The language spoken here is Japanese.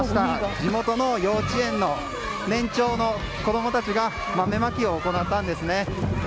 地元の幼稚園の年長の子供たちが豆まきを行ったんですね。